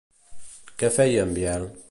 Què feia en Biel?